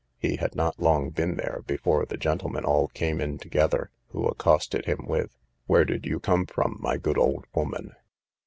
He had not long been there, before the gentlemen all came in together, who accosted him with, Where did you come from, my good old woman?